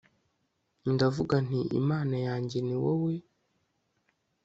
ndavuga nti imana yanjye ni wowe